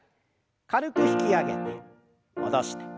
軽く引き上げて戻して。